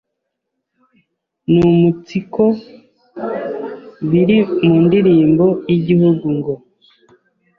numunsiko biri mu ndirimbo y’Igihugu ngo